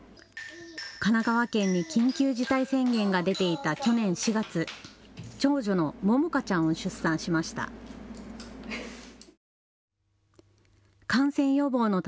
神奈川県に緊急事態宣言が出ていた去年４月、長女の百香ちゃんを出産しました。